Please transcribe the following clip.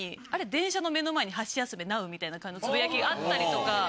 電車の目の前にハシヤスメなうみたいな感じのつぶやきがあったりとか。